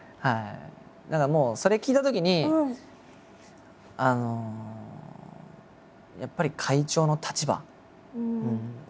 だからもうそれ聞いたときにあのやっぱり会長の立場。